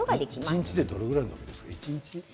一日でどれぐらい伸びるんですか？